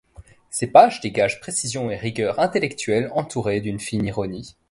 Ses pages dégagent précision et rigueur intellectuelle, entourées d'une fine ironie.